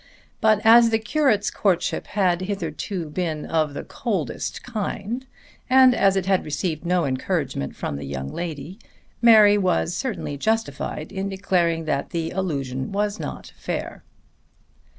But as the curate's courtship had hitherto been of the coldest kind and as it had received no encouragement from the young lady, Mary was certainly justified in declaring that the allusion was not fair.